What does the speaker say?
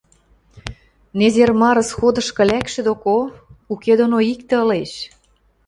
Незер мары сходышкы лӓкшӹ доко, уке доно иктӹ ылеш.